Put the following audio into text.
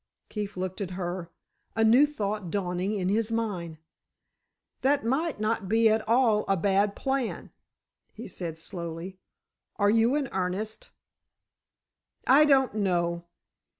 Keefe looked at her, a new thought dawning in his mind. "That might not be at all a bad plan," he said, slowly; "are you in earnest?" "I don't know.